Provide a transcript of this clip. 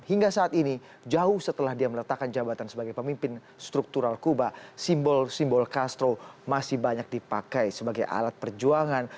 hingga saat ini jauh setelah dia meletakkan jabatan sebagai pemimpin struktural kuba simbol simbol castro masih banyak dipakai sebagai alat perjuangan